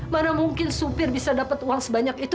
mana mungkin supir bisa dapat uang sebanyak itu